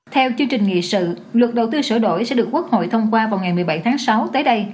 theo chương trình nghị sự luật đầu tư sửa đổi sẽ được quốc hội thông qua vào ngày một mươi bảy tháng sáu tới đây